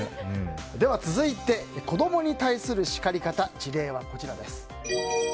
では続いて子供に対する叱り方事例はこちらです。